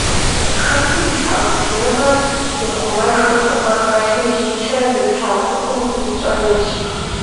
Хэкум и щхьэхуитыныгъэр ихъумэжу, лӀыгъэ хэлъу зи псэр зыта цӀыхум и пщӀэр инщ.